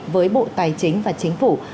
với bộ tài chính và chính phủ